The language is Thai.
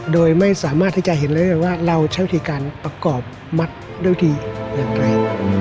โดยไม่สามารถที่จะเห็นได้เลยว่าเราใช้วิธีการประกอบมัดด้วยดีอย่างไร